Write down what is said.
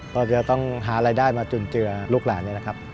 ก็จะต้องหารายได้มาจุนเจือลูกหลานนี่แหละครับ